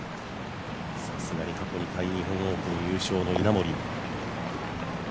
さすがに過去２回日本オープン優勝の稲森。